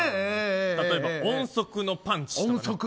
例えば、音速のパンチ。